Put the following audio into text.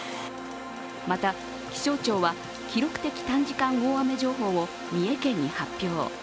また、気象庁は記録的短時間大雨情報を三重県に発表。